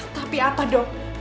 tapi apa dok